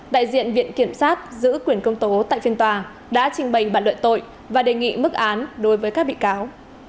đại diện viện kiểm sát giữ quyền công tố tại phiên tòa đã trình bày bản luận tội và đề nghị mức án đối với các bị cáo